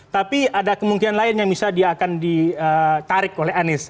tapi ada kemungkinan lain yang misalnya dia akan ditarik oleh anies